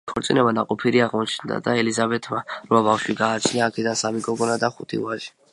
ქორწინება ნაყოფიერი აღმოჩნდა და ელიზაბეთმა რვა ბავშვი გააჩინა, აქედან სამი გოგონა და ხუთი ვაჟი.